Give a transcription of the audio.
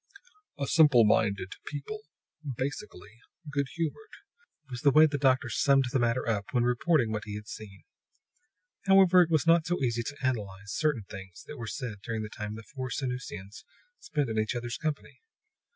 "A simple minded people, basically good humored," was the way the doctor summed the matter up when reporting what he had seen. However, it was not so easy to analyze certain things that were said during the time the four Sanusians spent in each other's company.